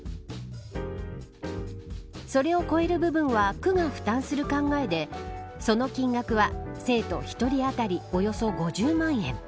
それを超える部分は区が負担する考えでその金額は生徒１人当たりおよそ５０万円。